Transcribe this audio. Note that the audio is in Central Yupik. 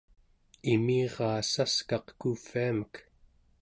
imiraa saskaq kuuvviamek